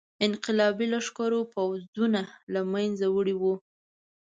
انقلابي لښکرو پوځونه له منځه وړي وو.